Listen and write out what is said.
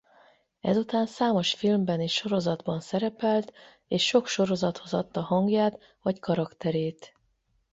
Ezután számos filmben és sorozatban szerepelt és sok sorozathoz adta hangját vagy karakterét.